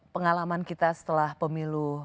pengalaman kita setelah pemilu